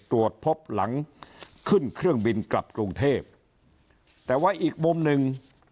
ตรวจพบหลังขึ้นเครื่องบินกลับกรุงเทพแต่ว่าอีกมุมหนึ่ง